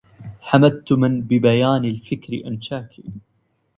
حمدتُ من ببيانِ الفكر أنشاكِ